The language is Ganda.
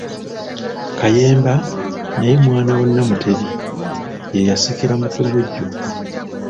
KAYEMBA naye mwana wa Nnamutebi, ye yasikira mukulu we Jjuuko.